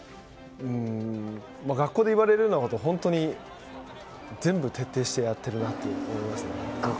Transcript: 学校で言われるようなことを本当に全部、徹底してやっているなと思いますね。